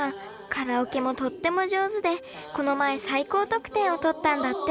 カラオケもとっても上手でこの前最高得点を取ったんだって。